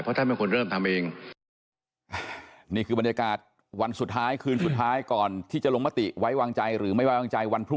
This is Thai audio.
เพราะท่านเป็นคนเริ่มทำเอง